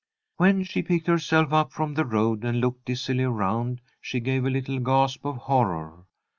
When she picked herself up from the road and looked dizzily around, she gave a little gasp of horror.